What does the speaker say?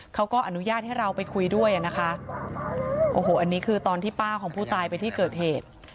เขาก็อนุญาตให้เราไปคุยด้วยอ่ะนะคะโอ้โหอันนี้คือตอนที่ป้าของผู้ตายไปที่เกิดเหตุ